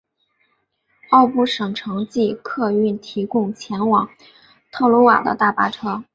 奥布省城际客运提供前往特鲁瓦的大巴车。